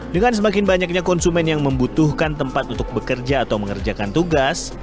dengan semakin banyaknya konsumen yang membutuhkan tempat untuk bekerja atau mengerjakan tugas